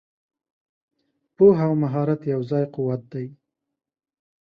پوهه او مهارت یو ځای قوت دی.